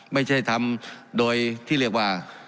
ไม่ใช่ทำโดยที่เรียกว่า